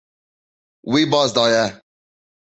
Wî baz daye.